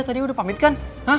tadi udah pamit kan